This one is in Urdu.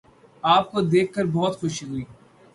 آپ کو دیکھ کر بہت خوشی ہوئی